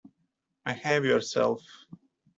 Behave yourself!